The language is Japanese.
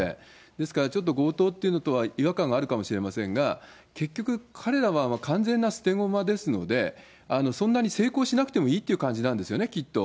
ですから、ちょっと強盗というのとは違和感があるかもしれませんが、結局、彼らは完全な捨て駒ですので、そんなに成功しなくてもいいという感じなんですよね、きっと。